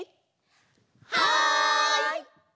はい！